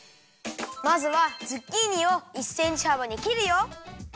まずはズッキーニを１センチはばにきるよ。